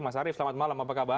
mas arief selamat malam apa kabar